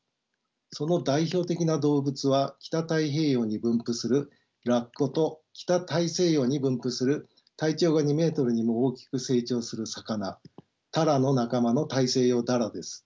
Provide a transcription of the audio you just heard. その代表的な動物は北太平洋に分布するラッコと北大西洋に分布する体長が２ｍにも大きく成長する魚タラの仲間のタイセイヨウダラです。